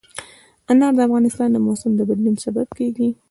انار د افغانستان د موسم د بدلون سبب کېږي.